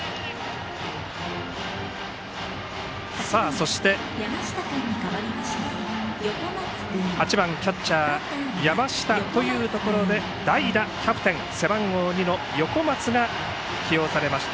そして、８番のキャッチャー山下というところで代打、キャプテン背番号２の横松が起用されました。